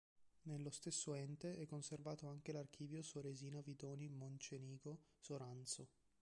Nello stesso Ente è conservato anche l'archivio Soresina-Vidoni-Mocenigo- Soranzo.